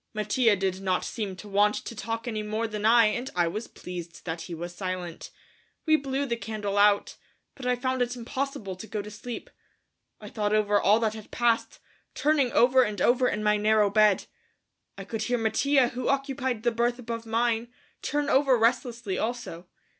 Mattia did not seem to want to talk any more than I and I was pleased that he was silent. We blew the candle out, but I found it impossible to go to sleep. I thought over all that had passed, turning over and over in my narrow bed. I could hear Mattia, who occupied the berth above mine, turn over restlessly also.